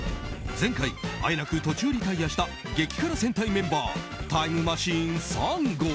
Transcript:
前回あえなく途中リタイアした激辛戦隊メンバータイムマシーン３号。